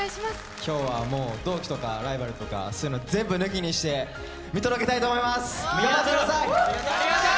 今日は同期とかライバルとか、そういうの全部抜きにして見届けたいと思います！